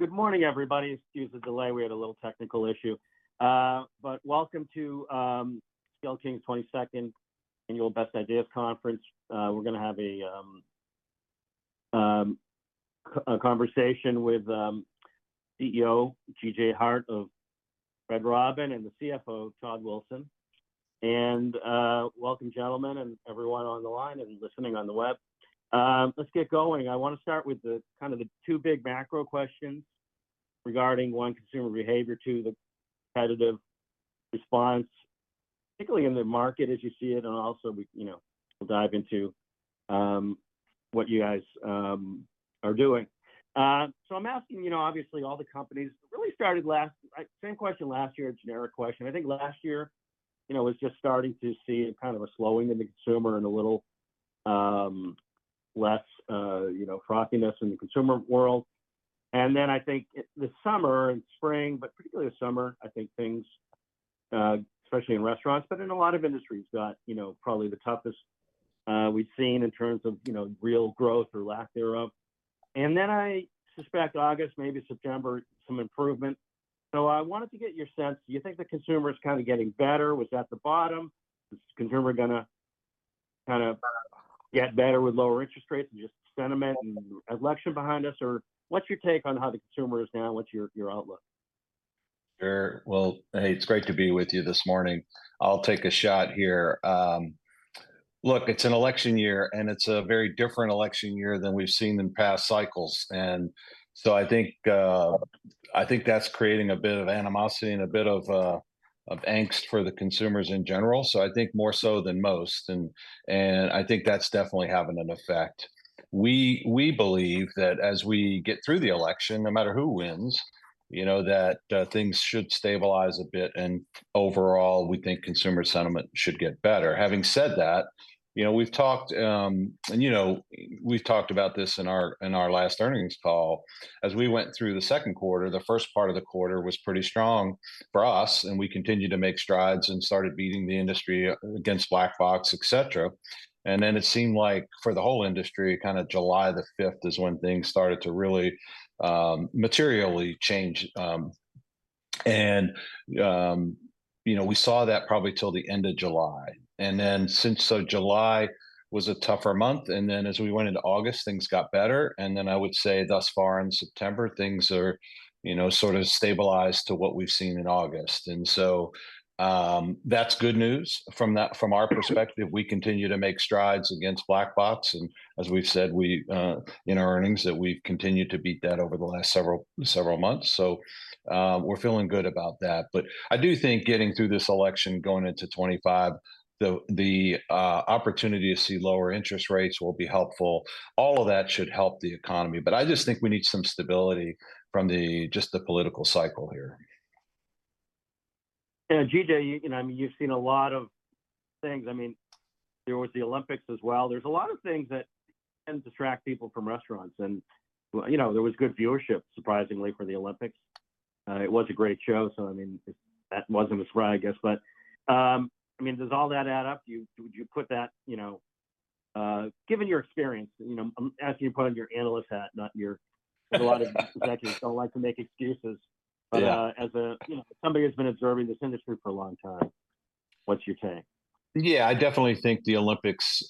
Good morning, everybody. Excuse the delay, we had a little technical issue. But welcome to CL King 22nd Annual Best Ideas Conference. We're gonna have a conversation with CEO G.J. Hart of Red Robin, and the CFO, Todd Wilson. Welcome, gentlemen, and everyone on the line and listening on the web. Let's get going. I wanna start with the kind of the two big macro questions regarding one, consumer behavior, two, the competitive response, particularly in the market as you see it, and also, we you know, we'll dive into what you guys are doing. So I'm asking, you know, obviously all the companies. Really started last, same question last year, a generic question. I think last year, you know, was just starting to see kind of a slowing in the consumer and a little less, you know, frothiness in the consumer world. Then I think the summer and spring, but particularly the summer, I think things, especially in restaurants, but in a lot of industries, got, you know, probably the toughest we've seen in terms of, you know, real growth or lack thereof. Then I suspect August, maybe September, some improvement, so I wanted to get your sense. Do you think the consumer is kind of getting better? Was that the bottom? Is the consumer gonna kind of get better with lower interest rates and just sentiment and election behind us? Or what's your take on how the consumer is now and what's your, your outlook? Sure. Hey, it's great to be with you this morning. I'll take a shot here. Look, it's an election year, and it's a very different election year than we've seen in past cycles. I think that's creating a bit of animosity and a bit of angst for the consumers in general, so I think more so than most. And I think that's definitely having an effect. We believe that as we get through the election, no matter who wins, you know, that things should stabilize a bit, and overall, we think consumer sentiment should get better. Having said that, you know, we've talked about this in our last earnings call. As we went through the second quarter, the first part of the quarter was pretty strong for us, and we continued to make strides and started beating the industry against Black Box, etc. And then it seemed like, for the whole industry, kind of July the 5th is when things started to really materially change. And you know, we saw that probably till the end of July. And then since, so July was a tougher month, and then as we went into August, things got better. And then I would say thus far in September, things are you know, sort of stabilized to what we've seen in August. And so, that's good news. From that, from our perspective, we continue to make strides against Black Box, and as we've said, we, in our earnings, that we've continued to beat that over the last several months. So, we're feeling good about that. But I do think getting through this election, going into 2025, the opportunity to see lower interest rates will be helpful. All of that should help the economy. But I just think we need some stability from the, just the political cycle here. Yeah, G.J., you know, I mean, you've seen a lot of things. I mean, there was the Olympics as well. There's a lot of things that can distract people from restaurants and there was good viewership, surprisingly, for the Olympics. It was a great show, so I mean, that wasn't a surprise, I guess. But, I mean, does all that add up? Would you put that, you know. Given your experience, you know, I'm, as you put on your analyst hat, not your. A lot of executives don't like to make excuses. Yeah. But, as a, you know, somebody who's been observing this industry for a long time, what's your take? Yeah, I definitely think the Olympics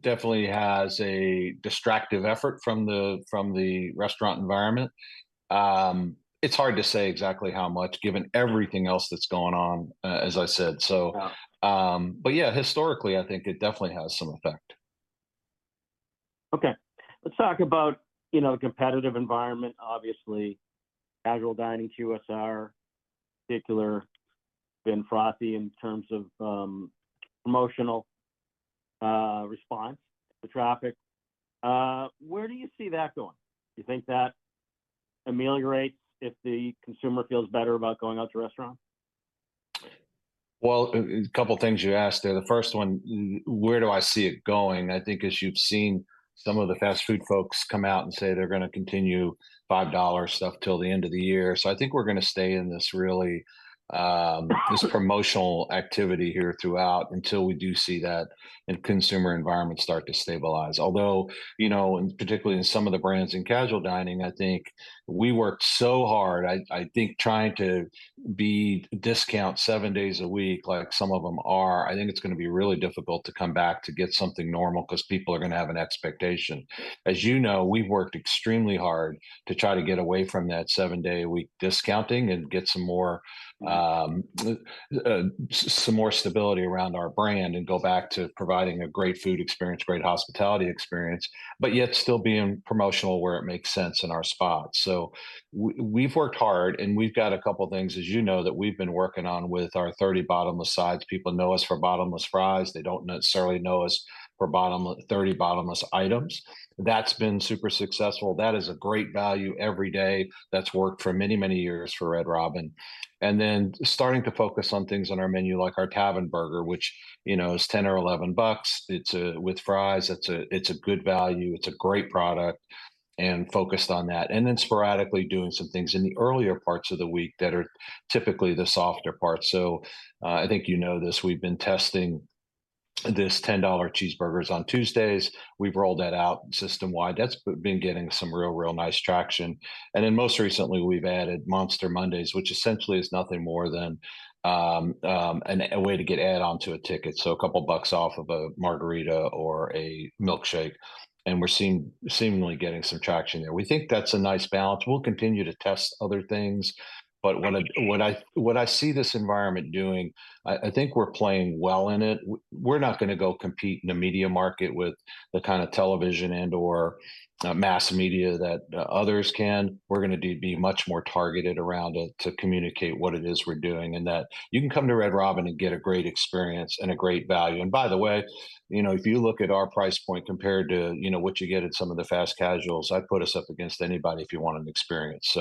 definitely has a distractive effort from the restaurant environment. It's hard to say exactly how much, given everything else that's going on, as I said. Yeah Yeah, historically, I think it definitely has some effect. Okay. Let's talk about, you know, competitive environment. Obviously, casual dining, QSR, in particular, been frothy in terms of promotional response to traffic. Where do you see that going? Do you think that ameliorates if the consumer feels better about going out to restaurant? A couple of things you asked there. The first one, where do I see it going? I think as you've seen some of the fast food folks come out and say they're gonna continue $5 stuff till the end of the year. So I think we're gonna stay in this promotional activity here throughout until we do see that, and consumer environment start to stabilize. Although, you know, and particularly in some of the brands in casual dining, I think we worked so hard, I think, trying to be discount seven days a week, like some of them are. I think it's gonna be really difficult to come back to get something normal, 'cause people are gonna have an expectation. As you know, we've worked extremely hard to try to get away from that seven-day-a-week discounting and get some more stability around our brand, and go back to providing a great food experience, great hospitality experience, but yet still being promotional where it makes sense in our spots. So we've worked hard, and we've got a couple things, as you know, that we've been working on with our 30 Bottomless sides. People know us for Bottomless fries. They don't necessarily know us for Bottomless, 30 Bottomless items. That's been super successful. That is a great value every day. That's worked for many, many years for Red Robin. And then starting to focus on things on our menu, like our Tavern Burger, which, you know, is $10 or $11. It's with fries. It's a good value. It's a great product, and focused on that. And then sporadically doing some things in the earlier parts of the week that are typically the softer parts. So, I think you know this. We've been testing this $10 cheeseburgers on Tuesdays. We've rolled that out system-wide. That's been getting some real, real nice traction. And then most recently, we've added Monster Mondays, which essentially is nothing more than a way to get add-on to a ticket. So a couple bucks off of a margarita or a milkshake, and we're seemingly getting some traction there. We think that's a nice balance. We'll continue to test other things, but what I see this environment doing, I think we're playing well in it. We're not gonna go compete in a media market with the kind of television and/or mass media that others can. We're gonna be much more targeted around it to communicate what it is we're doing, and that you can come to Red Robin and get a great experience and a great value. And by the way, you know, if you look at our price point compared to, you know, what you get at some of the fast casuals, I'd put us up against anybody if you want an experience.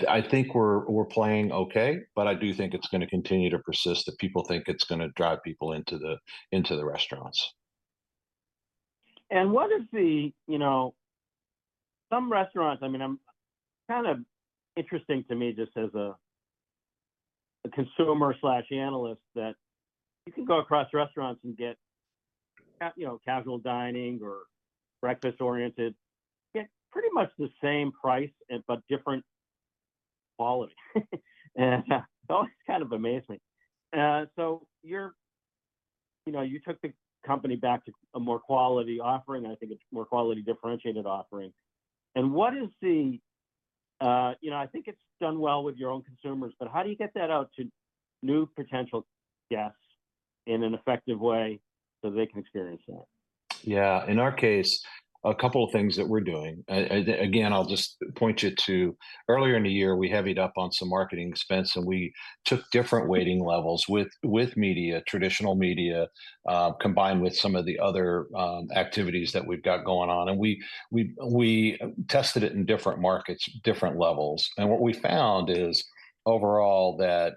I think we're playing okay, but I do think it's gonna continue to persist, that people think it's gonna drive people into the restaurants. It's kind of interesting to me just as a consumer/analyst, that you can go across restaurants and get you know, casual dining or breakfast-oriented. Get pretty much the same price, but different quality. So it's kind of amazing. So you know, you took the company back to a more quality offering, and I think it's more quality differentiated offering. I think it's done well with your own consumers, but how do you get that out to new potential guests in an effective way so they can experience that? Yeah. In our case, a couple of things that we're doing. Again, I'll just point you to earlier in the year. We heavied up on some marketing expense, and we took different weighting levels with media, traditional media, combined with some of the other activities that we've got going on. And we tested it in different markets, different levels. And what we found is, overall, that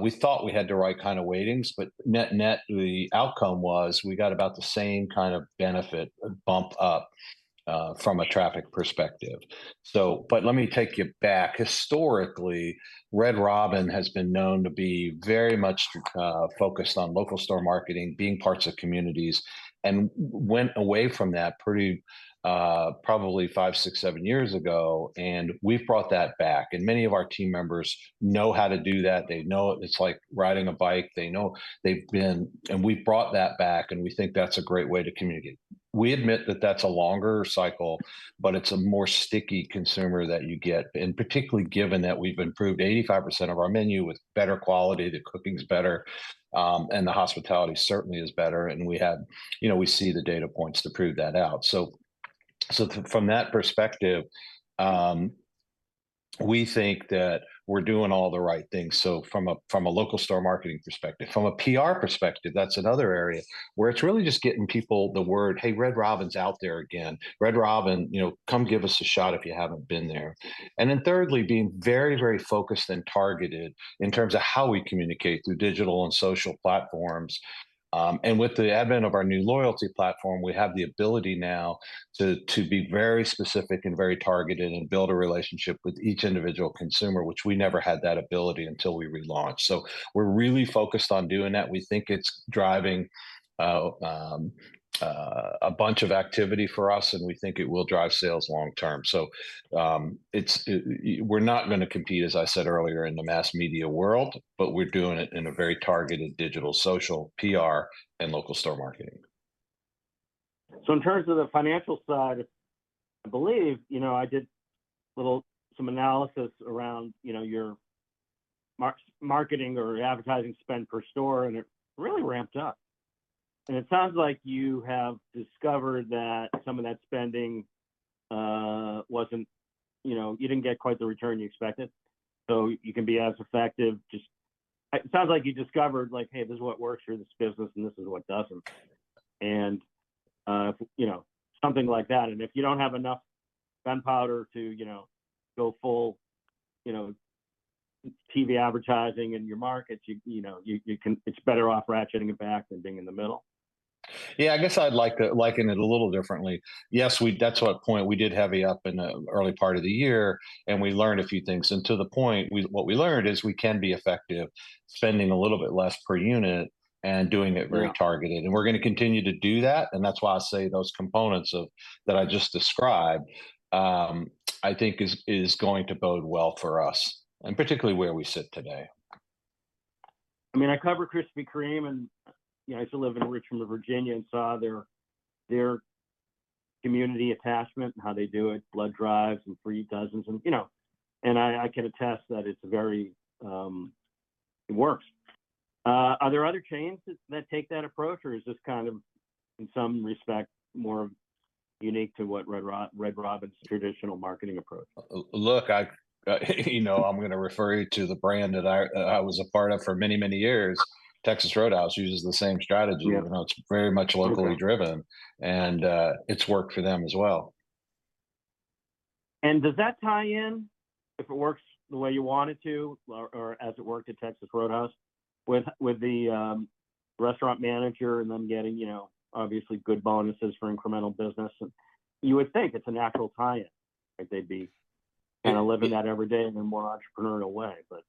we thought we had the right kind of weightings, but net-net, the outcome was we got about the same kind of benefit, a bump up from a traffic perspective. So but let me take you back. Historically, Red Robin has been known to be very much focused on local store marketing, being parts of communities, and went away from that pretty probably five, six, seven years ago, and we've brought that back. Many of our team members know how to do that. They know it. It's like riding a bike, they know. They've been, and we've brought that back, and we think that's a great way to communicate. We admit that that's a longer cycle, but it's a more sticky consumer that you get, and particularly given that we've improved 85% of our menu with better quality, the cooking's better, and the hospitality certainly is better, and we have you know, we see the data points to prove that out. From that perspective, we think that we're doing all the right things, so from a local store marketing perspective. From a PR perspective, that's another area, where it's really just getting the word out: "Hey, Red Robin's out there again. Red Robin, you know, come give us a shot if you haven't been there." And then thirdly, being very, very focused and targeted in terms of how we communicate through digital and social platforms. And with the advent of our new loyalty platform, we have the ability now to be very specific and very targeted, and build a relationship with each individual consumer, which we never had that ability until we relaunched. We're really focused on doing that. We think it's driving a bunch of activity for us, and we think it will drive sales long term. We're not gonna compete, as I said earlier, in the mass media world, but we're doing it in a very targeted digital, social, PR, and local store marketing. In terms of the financial side, I believe, you know, I did little, some analysis around, you know, your marketing or advertising spend per store, and it really ramped up. And it sounds like you have discovered that some of that spending wasn't. You know, you didn't get quite the return you expected, so you can be as effective. It sounds like you discovered, like, "Hey, this is what works for this business and this is what doesn't," and, you know, something like that. And if you don't have enough gunpowder to, you know, go full, you know, TV advertising in your markets, you know, you can. It's better off ratcheting it back than being in the middle. Yeah, I guess I'd like to liken it a little differently. Yes, that's our point. We did heavy up in the early part of the year, and we learned a few things. And to the point, what we learned is we can be effective spending a little bit less per unit and doing it very targeted. Yeah. We're gonna continue to do that, and that's why I say those components of, that I just described, I think is going to bode well for us, and particularly where we sit today. I mean, I cover Krispy Kreme, and, you know, I used to live in Richmond, Virginia, and saw their community attachment and how they do it, blood drives and free dozens and, you know. And I can attest that it's very, it works. Are there other chains that take that approach, or is this kind of, in some respect, more unique to what Red Robin's traditional marketing approach? I'm gonna refer you to the brand that I was a part of for many, many years. Texas Roadhouse uses the same strategy. Yeah. You know, it's very much locally driven and it's worked for them as well. Does that tie in, if it works the way you want it to or as it worked at Texas Roadhouse, with the restaurant manager and them getting, you know, obviously good bonuses for incremental business? And you would think it's a natural tie-in, like they'd be kind of living that every day in a more entrepreneurial way, but.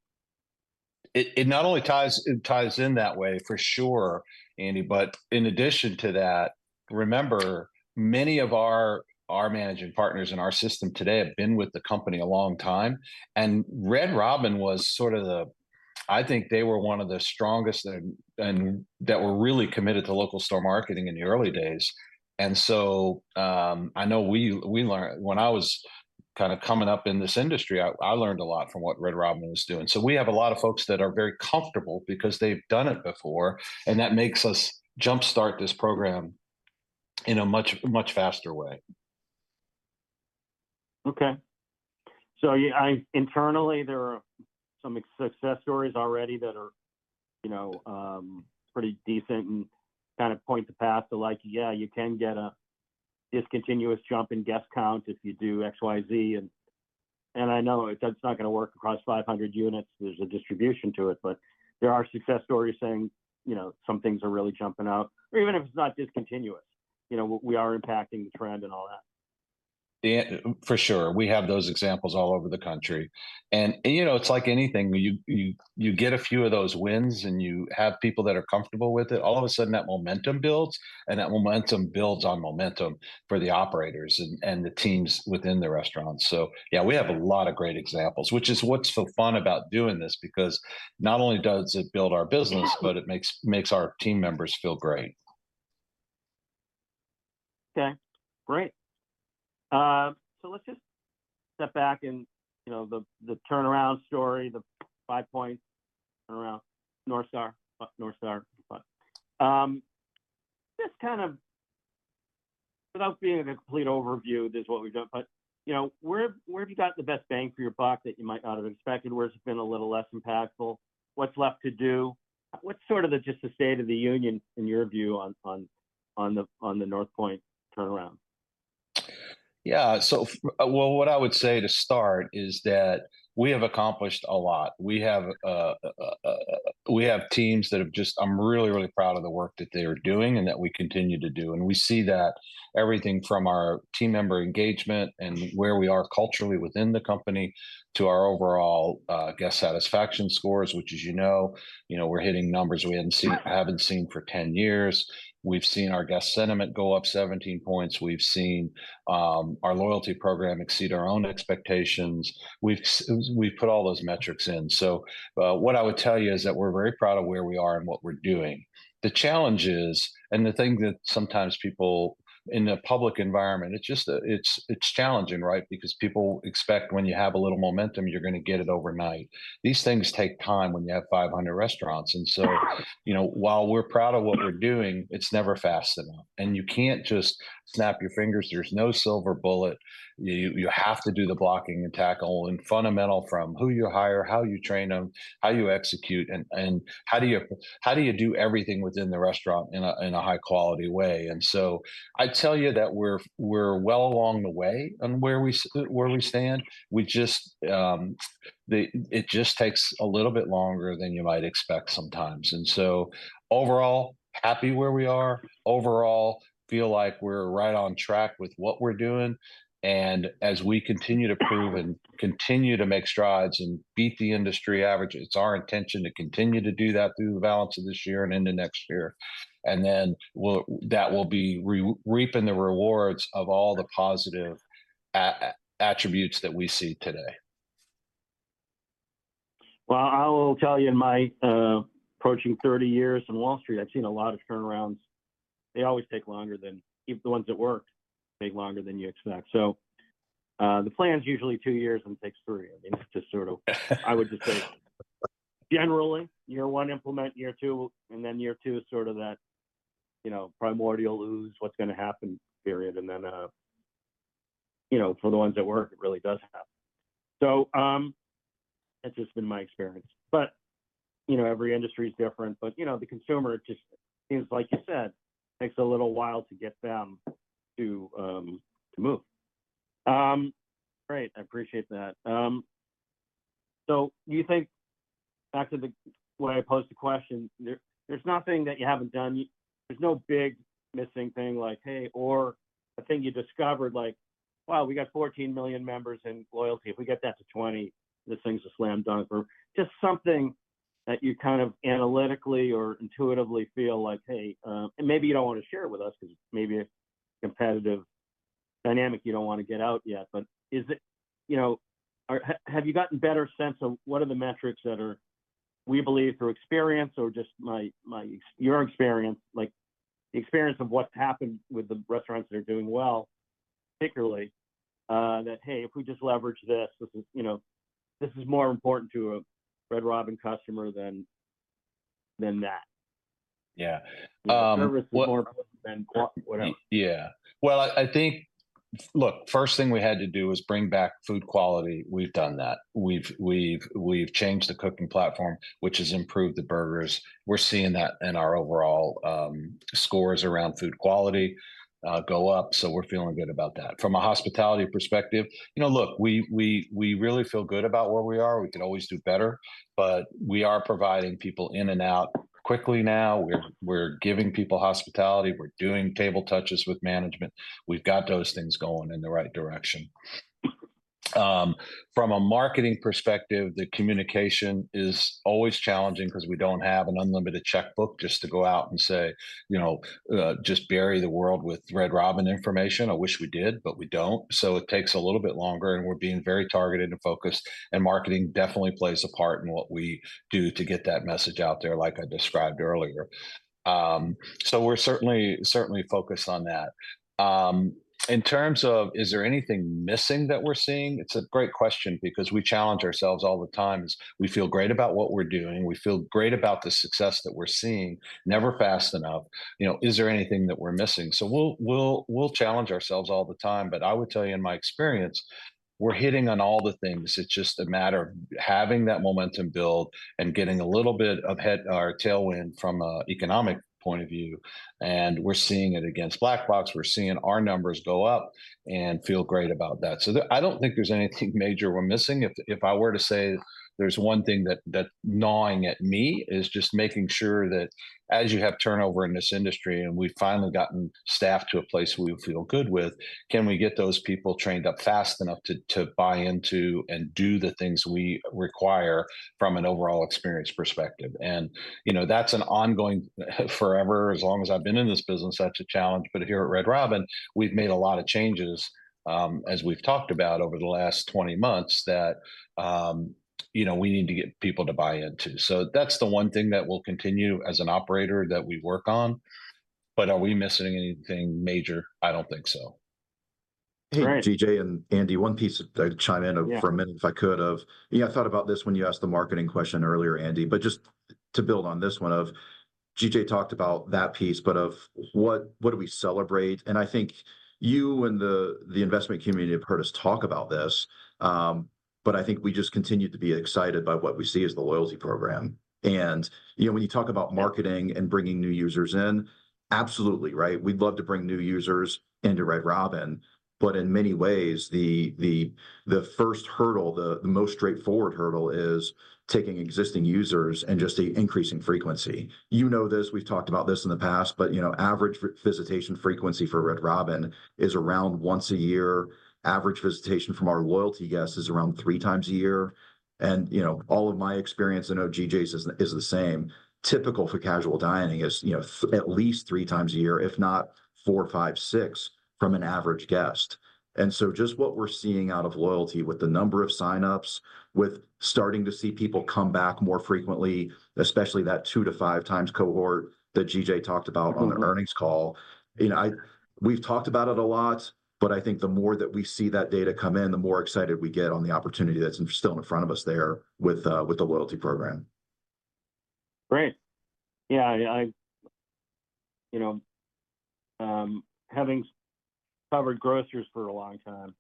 It not only ties, it ties in that way, for sure, Andy, but in addition to that, remember, many of our managing partners in our system today have been with the company a long time. And Red Robin was sort of the. I think they were one of the strongest and that were really committed to local store marketing in the early days. When I was kind of coming up in this industry, I learned a lot from what Red Robin was doing. So we have a lot of folks that are very comfortable because they've done it before, and that makes us jumpstart this program in a much, much faster way. Okay. So yeah, internally, there are some success stories already that are, you know, pretty decent and kind of point the path to like, yeah, you can get a discontinuous jump in guest count if you do X, Y, Z. And I know that's not gonna work across 500 units. There's a distribution to it, but there are success stories saying, you know, some things are really jumping out. Or even if it's not discontinuous, you know, we are impacting the trend and all that. For sure. We have those examples all over the country, and you know, it's like anything, you get a few of those wins, and you have people that are comfortable with it. All of a sudden, that momentum builds, and that momentum builds on momentum for the operators and the teams within the restaurant, so yeah, we have a lot of great examples, which is what's so fun about doing this, because not only does it build our business, but it makes our team members feel great. Great. Let's just step back and, you know, the turnaround story, the five-point turnaround, North Star, but just kind of without being a complete overview, this is what we've done. But, you know, where have you gotten the best bang for your buck that you might not have expected? Where's it been a little less impactful? What's left to do? What's sort of just the state of the union, in your view, on the North Star turnaround? What I would say to start is that we have accomplished a lot. We have teams that I'm really, really proud of the work that they are doing and that we continue to do, and we see that everything from our team member engagement and where we are culturally within the company to our overall guest satisfaction scores, which, as you know, we're hitting numbers we haven't seen for 10 years. We've seen our guest sentiment go up 17 points. We've seen our loyalty program exceed our own expectations. We've put all those metrics in, so what I would tell you is that we're very proud of where we are and what we're doing. The challenges and the thing that sometimes people in the public environment, it's just that it's, it's challenging, right? Because people expect when you have a little momentum, you're gonna get it overnight. These things take time when you have 500 restaurants. And so, while we're proud of what we're doing, it's never fast enough, and you can't just snap your fingers. There's no silver bullet. You have to do the blocking and tackling. Fundamental from who you hire, how you train them, how you execute, and how do you do everything within the restaurant in a high-quality way? And so I'd tell you that we're well along the way on where we stand. We just, it just takes a little bit longer than you might expect sometimes. Overall, happy where we are. Overall, feel like we're right on track with what we're doing, and as we continue to prove and continue to make strides and beat the industry average, it's our intention to continue to do that through the balance of this year and into next year. And then, that will be reaping the rewards of all the positive attributes that we see today. Well, I will tell you, in my approaching 30 years on Wall Street, I've seen a lot of turnarounds. They always take longer than even the ones that work, take longer than you expect. So, the plan's usually two years, and it takes three. I mean, it's just sort of I would just say, generally, year one, implement. Year two and then year two is sort of that, you know, primordial ooze, what's gonna happen period. And then, you know, for the ones that work, it really does happen. So, that's just been my experience. But, you know, every industry is different, but, you know, the consumer, it just seems, like you said, takes a little while to get them to to move. Great. I appreciate that. So do you think, back to the, when I posed the question, there, there's nothing that you haven't done, there's no big missing thing, like, hey, or a thing you discovered, like, "Wow, we got 14 million members in loyalty. If we get that to 20 million, this thing's a slam dunk," or just something that you kind of analytically or intuitively feel like, hey... Maybe you don't want to share it with us, because maybe a competitive dynamic you don't want to get out yet, but is it, you know, or have you gotten a better sense of what are the metrics that are, we believe, through experience or just my, your experience, like, the experience of what's happened with the restaurants that are doing well, particularly, that, "Hey, if we just leverage this, this is, you know, this is more important to a Red Robin customer than that? Yeah. Service is more important than whatever. Yeah. First thing we had to do was bring back food quality. We've done that. We've changed the cooking platform, which has improved the burgers. We're seeing that in our overall scores around food quality go up, so we're feeling good about that. From a hospitality perspective, you know, look, we really feel good about where we are. We can always do better, but we are providing people in and out quickly now. We're giving people hospitality. We're doing table touches with management. We've got those things going in the right direction. From a marketing perspective, the communication is always challenging 'cause we don't have an unlimited checkbook just to go out and say, you know, just bury the world with Red Robin information. I wish we did, but we don't. So it takes a little bit longer, and we're being very targeted and focused, and marketing definitely plays a part in what we do to get that message out there, like I described earlier. So we're certainly, certainly focused on that. In terms of is there anything missing that we're seeing? It's a great question because we challenge ourselves all the time. We feel great about what we're doing, we feel great about the success that we're seeing. Never fast enough. You know, is there anything that we're missing? So we'll challenge ourselves all the time, but I would tell you, in my experience, we're hitting on all the things. It's just a matter of having that momentum build and getting a little bit of headwind or tailwind from an economic point of view, and we're seeing it against Black Box. We're seeing our numbers go up and feel great about that. So I don't think there's anything major we're missing. If I were to say there's one thing that's gnawing at me, is just making sure that as you have turnover in this industry, and we've finally gotten staffed to a place where we feel good with, can we get those people trained up fast enough to buy into and do the things we require from an overall experience perspective? And, you know, that's an ongoing, forever, as long as I've been in this business, that's a challenge. But here at Red Robin, we've made a lot of changes, as we've talked about over the last 20 months, that, you know, we need to get people to buy into. So that's the one thing that will continue as an operator that we work on, but are we missing anything major? I don't think so. Great. G.J. and Andy, one piece to chime in for a minute, if I could. I thought about this when you asked the marketing question earlier, Andy, but just to build on this one of G.J. talked about that piece, but of what, what do we celebrate? And I think you and the investment community have heard us talk about this, but I think we just continue to be excited by what we see as the loyalty program. And, you know, when you talk about marketing and bringing new users in, absolutely, right? We'd love to bring new users into Red Robin, but in many ways, the first hurdle, the most straightforward hurdle is taking existing users and just increasing frequency. You know this, we've talked about this in the past, but, you know, average visitation frequency for Red Robin is around once a year. Average visitation from our loyalty guests is around three times a year, and, you know, all of my experience, I know GJ's is the same. Typical for casual dining is, you know, at least three times a year, if not four, five, six, from an average guest. And so just what we're seeing out of loyalty with the number of sign-ups, with starting to see people come back more frequently, especially that 2x-5x cohort that G.J. talked about on the earnings call. You know, we've talked about it a lot, but I think the more that we see that data come in, the more excited we get on the opportunity that's still in front of us there with the loyalty program. Great. Yeah, I, you know, having covered grocers for a long time,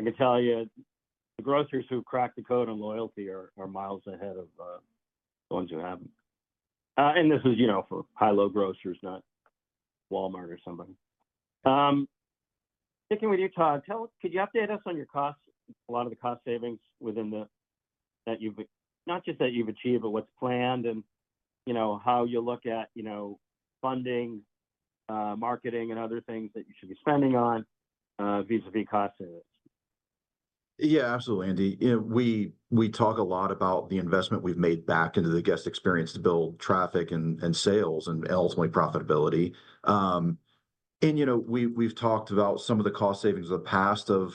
I can tell you, the grocers who've cracked the code on loyalty are miles ahead of the ones who haven't, and this is, you know, for high/low grocers, not Walmart or somebody, sticking with you, Todd, tell us- could you update us on your costs, a lot of the cost savings, not just that you've achieved, but what's planned and, you know, how you look at, you know, funding, marketing, and other things that you should be spending on vis-a-vis cost savings? Yeah, absolutely, Andy. You know, we talk a lot about the investment we've made back into the guest experience to build traffic, and sales, and ultimately, profitability, and you know, we've talked about some of the cost savings of the past, of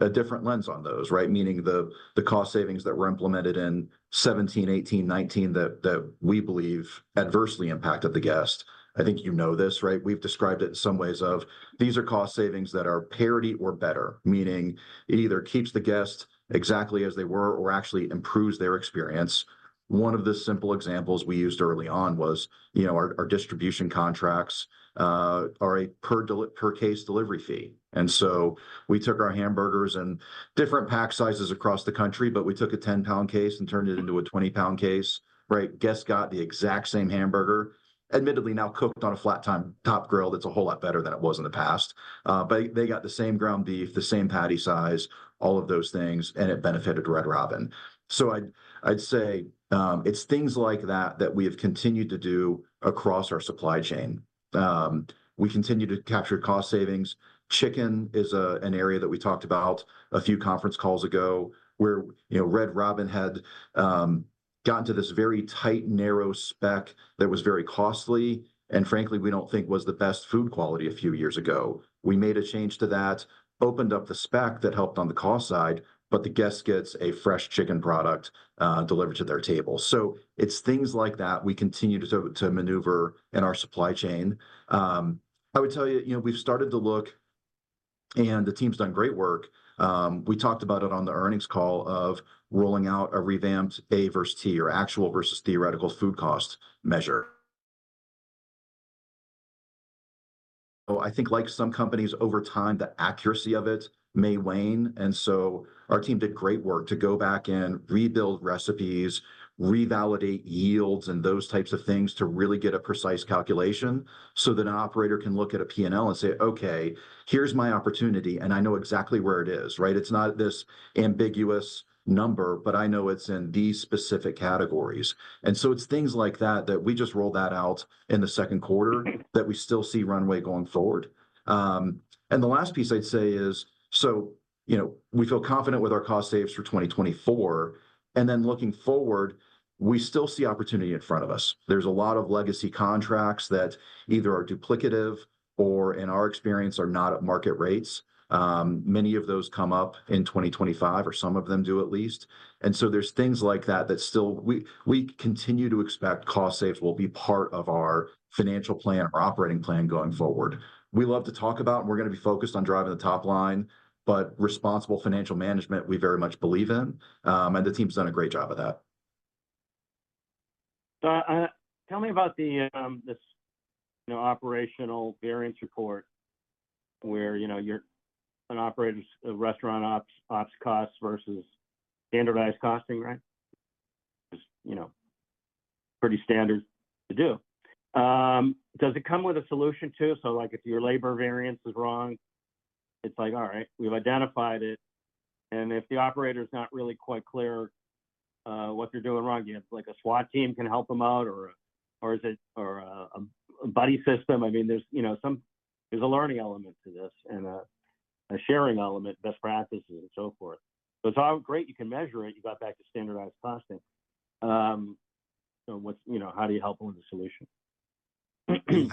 a different lens on those, right? Meaning the cost savings that were implemented in 2017, 2018, 2019, that we believe adversely impacted the guest. I think you know this, right? We've described it in some ways, these are cost savings that are parity or better, meaning it either keeps the guest exactly as they were or actually improves their experience. One of the simple examples we used early on was, you know, our distribution contracts are a per case delivery fee. And so we took our hamburgers in different pack sizes across the country, but we took a 10-lb case and turned it into a 20-lb case, right? Guests got the exact same hamburger, admittedly now cooked on a flat-top grill that's a whole lot better than it was in the past. But they got the same ground beef, the same patty size, all of those things, and it benefited Red Robin. I'd say it's things like that that we have continued to do across our supply chain. We continue to capture cost savings. Chicken is an area that we talked about a few conference calls ago, where, you know, Red Robin had gotten to this very tight, narrow spec that was very costly, and frankly, we don't think was the best food quality a few years ago. We made a change to that, opened up the spec that helped on the cost side, but the guest gets a fresh chicken product, delivered to their table. So it's things like that we continue to maneuver in our supply chain. I would tell you, you know, we've started to look, and the team's done great work. We talked about it on the earnings call of rolling out a revamped A versus T, or actual versus theoretical food cost measure. So I think like some companies, over time, the accuracy of it may wane, and so our team did great work to go back in, rebuild recipes, revalidate yields, and those types of things, to really get a precise calculation so that an operator can look at a P&L and say, "Okay, here's my opportunity, and I know exactly where it is," right? It's not this ambiguous number, but I know it's in these specific categories, and so it's things like that, that we just rolled that out in the second quarter that we still see runway going forward. And the last piece I'd say is we feel confident with our cost saves for 2024, and then looking forward, we still see opportunity in front of us. There's a lot of legacy contracts that either are duplicative or, in our experience, are not at market rates. Many of those come up in 2025, or some of them do at least. We continue to expect cost saves will be part of our financial plan, our operating plan going forward. We love to talk about, and we're gonna be focused on driving the top line, but responsible financial management, we very much believe in. And the team's done a great job of that. Tell me about the, this, you know, operational variance report where, you know, an operator's, a restaurant ops cost versus standardized costing, right? Just, you know, pretty standard to do. Does it come with a solution, too? So like if your labor variance is wrong, it's like, all right, we've identified it, and if the operator's not really quite clear, what they're doing wrong, do you have, like, a SWAT team can help them out, or, or is it a buddy system? I mean, there's, you know, there's a learning element to this and a, a sharing element, best practices, and so forth. So it's all great you can measure it, you got back to standardized costing. How do you help them with the solution? Yeah.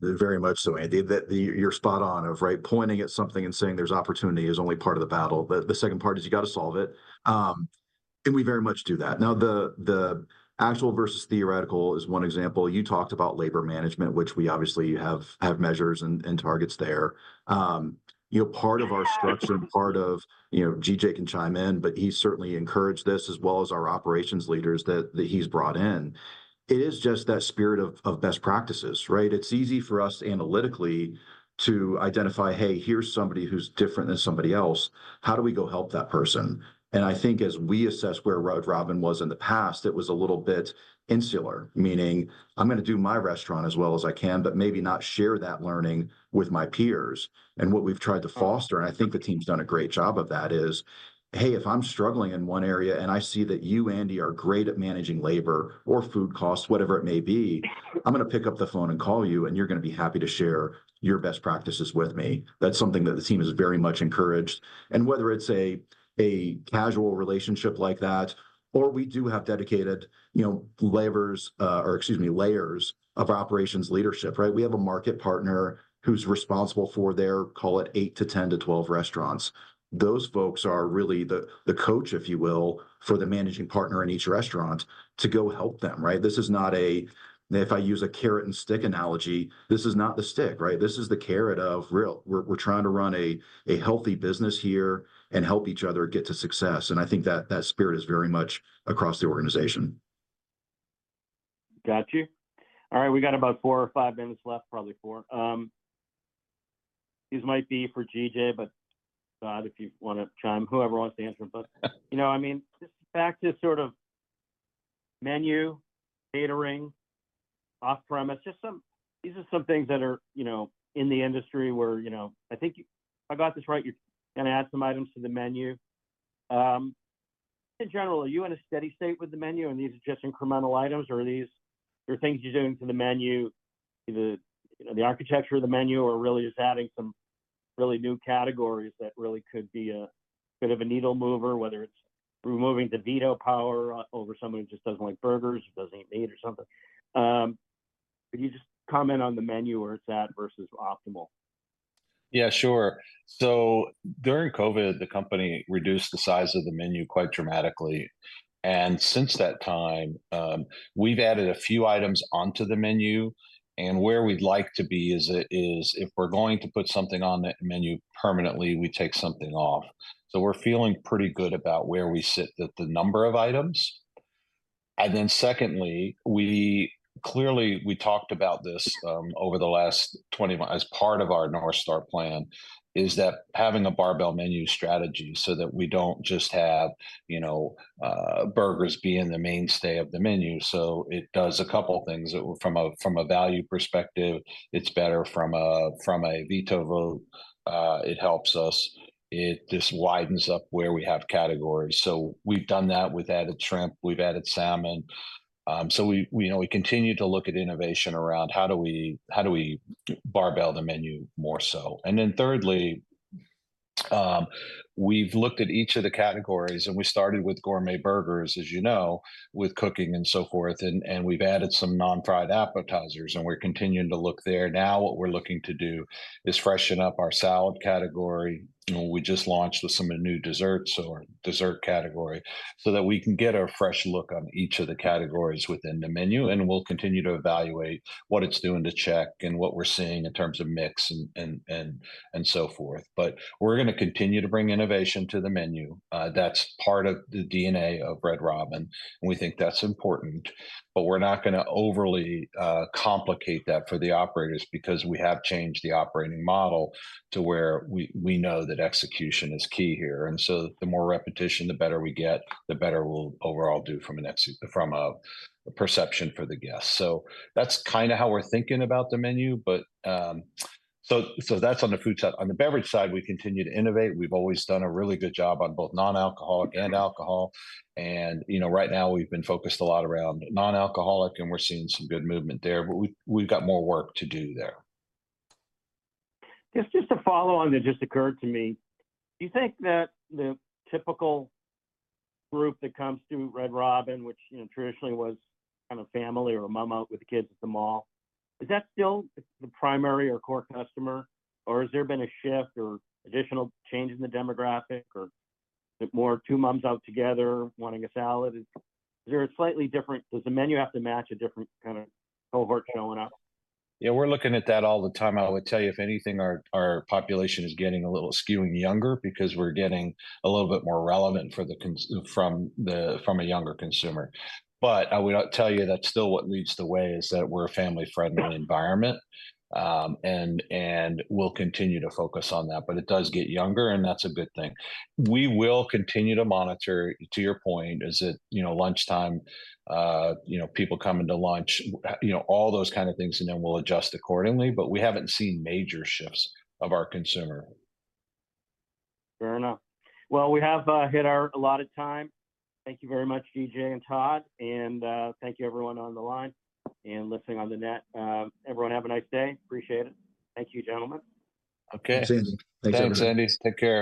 Very much so, Andy. That you're spot on, right, pointing at something and saying there's opportunity is only part of the battle. The second part is you got to solve it, and we very much do that. Now, the actual versus theoretical is one example. You talked about labor management, which we obviously have measures and targets there. You know, part of our structure and part of. You know, G.J. can chime in, but he certainly encouraged this, as well as our operations leaders that he's brought in. It is just that spirit of best practices, right? It's easy for us analytically to identify, hey, here's somebody who's different than somebody else. How do we go help that person? And I think as we assess where Red Robin was in the past, it was a little bit insular, meaning, "I'm gonna do my restaurant as well as I can, but maybe not share that learning with my peers." And what we've tried to foster, and I think the team's done a great job of that, is, "Hey, if I'm struggling in one area and I see that you, Andy, are great at managing labor or food costs, whatever it may be, I'm gonna pick up the phone and call you, and you're gonna be happy to share your best practices with me." That's something that the team has very much encouraged. And whether it's a casual relationship like that, or we do have dedicated, you know, layers of operations leadership, right? We have a Market Partner who's responsible for their, call it, eight to 10 to 12 restaurants. Those folks are really the coach, if you will, for the managing partner in each restaurant to go help them, right? If I use a carrot-and-stick analogy, this is not the stick, right? This is the carrot of real- we're trying to run a healthy business here and help each other get to success, and I think that spirit is very much across the organization. Got you. All right, we got about four or five minutes left, probably four. These might be for GJ, but, Todd, if you wanna chime, whoever wants to answer them. But, you know, I mean, just back to sort of menu, catering, off-prem, these are some things that are, you know, in the industry where if I got this right, you're gonna add some items to the menu. In general, are you in a steady state with the menu, and these are just incremental items, or are these, there are things you're doing to the menu, either, you know, the architecture of the menu or really just adding some really new categories that really could be a bit of a needle mover, whether it's removing the veto power over somebody who just doesn't like burgers, or doesn't eat meat or something? Could you just comment on the menu where it's at versus optimal? Yeah, sure. So during COVID, the company reduced the size of the menu quite dramatically. And since that time, we've added a few items onto the menu, and where we'd like to be is, is if we're going to put something on that menu permanently, we take something off. We're feeling pretty good about where we sit with the number of items. Secondly, we clearly, we talked about this, over the last 20 months as part of our North Star plan, is that having a barbell menu strategy so that we don't just have, you know, burgers being the mainstay of the menu. So it does a couple of things that from a value perspective, it's better from a veto vote, it helps us. This widens up where we have categories. So we've done that. We've added shrimp, we've added salmon, so we, you know, we continue to look at innovation around how do we barbell the menu more so, and then thirdly, we've looked at each of the categories, and we started with gourmet burgers, as you know, with cooking and so forth, and we've added some non-fried appetizers, and we're continuing to look there. Now what we're looking to do is freshen up our salad category. You know, we just launched some of the new desserts, or dessert category, so that we can get a fresh look on each of the categories within the menu, and we'll continue to evaluate what it's doing to check, and what we're seeing in terms of mix and so forth, but we're gonna continue to bring innovation to the menu. That's part of the DNA of Red Robin, and we think that's important. But we're not gonna overly complicate that for the operators, because we have changed the operating model to where we know that execution is key here, and so the more repetition, the better we get, the better we'll overall do from a perception for the guest. So that's kind of how we're thinking about the menu, but that's on the food side. On the beverage side, we continue to innovate. We've always done a really good job on both non-alcoholic and alcohol, and you know, right now we've been focused a lot around non-alcoholic, and we're seeing some good movement there, but we've got more work to do there. Just, just a follow-on that just occurred to me. Do you think that the typical group that comes through Red Robin, which, you know, traditionally was kind of family or a mom out with the kids at the mall, is that still the primary or core customer, or has there been a shift or additional change in the demographic, or is it more two moms out together wanting a salad? Does the menu have to match a different kind of cohort showing up? Yeah, we're looking at that all the time. I would tell you, if anything, our population is getting a little skewing younger, because we're getting a little bit more relevant for the consumer from a younger consumer. But I would tell you that still what leads the way is that we're a family-friendly environment, and we'll continue to focus on that, but it does get younger, and that's a good thing. We will continue to monitor, to your point, is it lunchtime, you know, people coming to lunch, you know, all those kind of things, and then we'll adjust accordingly, but we haven't seen major shifts of our consumer. Fair enough. Well, we have hit our allotted time. Thank you very much, G.J. and Todd, and thank you everyone on the line and listening on the net. Everyone, have a nice day. Appreciate it. Thank you, gentlemen. Okay. Thanks, Andy. Thanks, Andy. Take care.